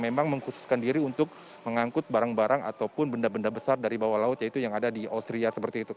memang mengkhususkan diri untuk mengangkut barang barang ataupun benda benda besar dari bawah laut yaitu yang ada di austria seperti itu